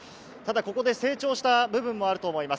成長した部分もあると思います。